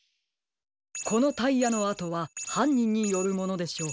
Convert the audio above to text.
このタイヤのあとははんにんによるものでしょう。